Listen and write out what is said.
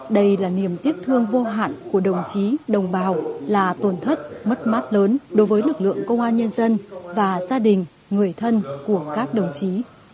đây là niềm tiếc thương vô hạn của đồng chí đồng bào là tổn thất mất mát lớn đối với lực lượng công an nhân dân và gia đình người thân của các đồng chí